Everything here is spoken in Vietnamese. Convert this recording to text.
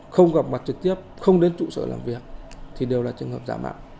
không gặp mặt trực tiếp không đến trụ sở làm việc thì đều là trường hợp giả mạo